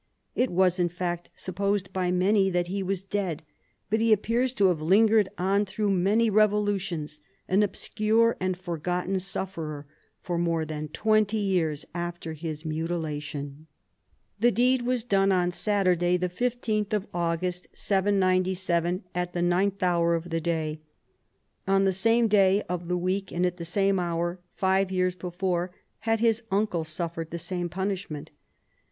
It was, in fact, supposed by many that he was dead, but he appears to have lingered on through many revolutions, an obscure and for gotten sufferer, for more than twenty years after his mutilation. The deed was done on Saturday the 15th of August 797, at the ninth hour of the day. On the same day of the week and at the same hour, five years before, had his uncle suffered the same punishment.